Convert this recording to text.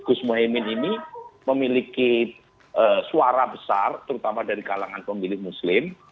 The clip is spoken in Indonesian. gus muhaymin ini memiliki suara besar terutama dari kalangan pemilih muslim